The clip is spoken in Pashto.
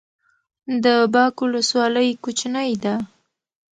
د باک ولسوالۍ کوچنۍ ده